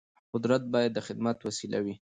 قدرت باید د خدمت وسیله وي